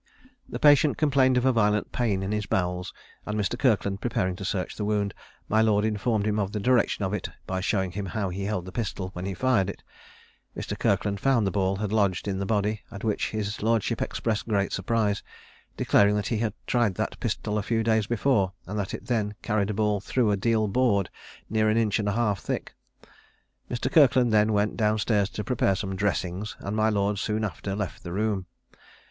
The patient complained of a violent pain in his bowels; and Mr. Kirkland preparing to search the wound, my lord informed him of the direction of it, by showing him how he held the pistol when he fired it. Mr. Kirkland found the ball had lodged in the body; at which his lordship expressed great surprise, declaring that he had tried that pistol a few days before, and that it then carried a ball through a deal board near an inch and a half thick. Mr. Kirkland then went down stairs to prepare some dressings, and my lord soon after left the room.